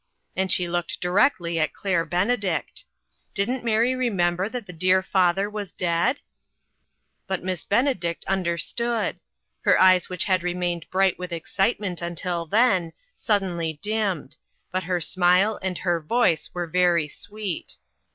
" and she looked directly at Claire Benedict. Didn't Mary remember that the dear father was dead ? But Miss Benedict understood. Her eyes which had remained bright with excitement until then, suddenly dimmed ; but her smile and her voice were very sweet.